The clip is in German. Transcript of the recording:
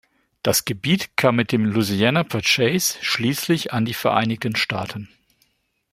Das Gebiet kam mit dem "Louisiana Purchase" schließlich an die Vereinigten Staaten.